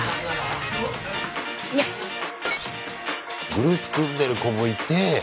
グループ組んでる子もいて。